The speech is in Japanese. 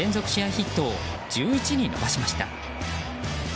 ヒットを１１に伸ばしました。